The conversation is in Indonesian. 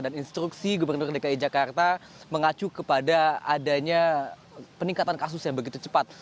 dan instruksi gubernur dki jakarta mengacu kepada adanya peningkatan kasus yang begitu cepat